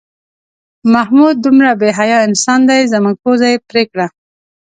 محمود دومره بې حیا انسان دی زموږ پوزه یې پرې کړه.